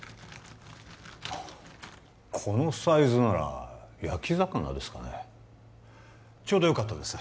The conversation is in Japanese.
このサイズなら焼き魚ですかねちょうどよかったです